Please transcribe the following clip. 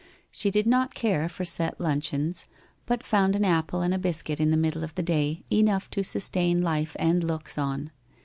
She did not care for set luncheons, bnt found an apple and a biscuit in the middle of the day enough to sustain life and looks on.